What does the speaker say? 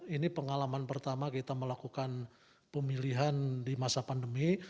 ini pengalaman pertama kita melakukan pemilihan di masa pandemi